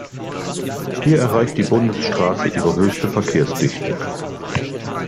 Hier erreicht die Bundesstraße ihre höchste Verkehrsdichte.